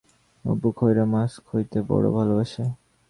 অপু খয়রা মাছ খাইতে বড় ভালোবাসে।